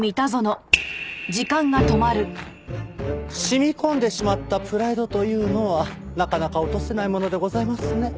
染み込んでしまったプライドというのはなかなか落とせないものでございますね。